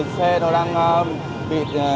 xe nó đang bị